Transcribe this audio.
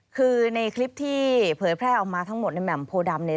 คือในคลิปที่เผยแพร่ออกมาทั้งหมดในแหม่มโพดำเนี่ย